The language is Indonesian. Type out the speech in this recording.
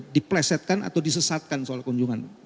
diplesetkan atau disesatkan soal kunjungan